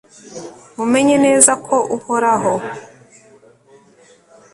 mumenye neza ko uhoraho